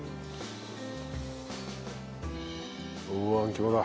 うわっあん肝だ。